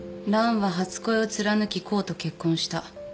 ランは初恋を貫きコウと結婚した。